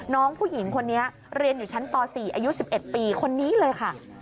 น้องผู้หญิงคนนี้เรียนอยู่ชั้นป๔อายุ๑๑ปีคนนี้เลยค่ะ